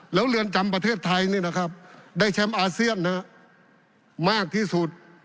แล้วเรือนจำประเทศไทยได้แชมป์อาเซียนมากที่สุด